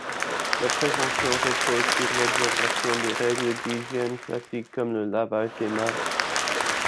La prévention repose sur l'observation des règles d'hygiène classiques comme le lavage des mains.